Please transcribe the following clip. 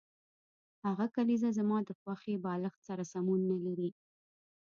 هغه کلیزه زما د خوښې بالښت سره سمون نلري